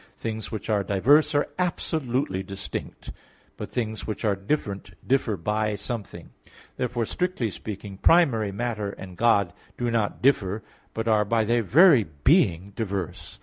x), "things which are diverse are absolutely distinct, but things which are different differ by something." Therefore, strictly speaking, primary matter and God do not differ, but are by their very being, diverse.